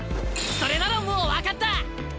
それならもう分かった！